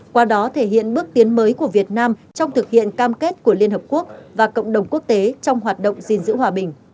qua đó thể hiện bước tiến mới của việt nam trong thực hiện cam kết của liên hợp quốc và cộng đồng quốc tế trong hoạt động gìn giữ hòa bình